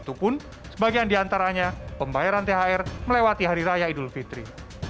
itu pun sebagian diantaranya pembayaran thr melewati hari raya idul fitri